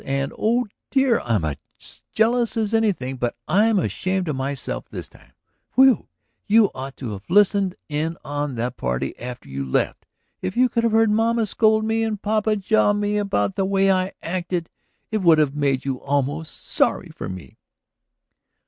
And, oh dear, I'm as jealous as anything. But I'm ashamed of myself this time. Whew! You ought to have listened in on the party after you left! If you could have heard mama scold me and papa jaw me about the way I acted it would have made you almost sorry for me."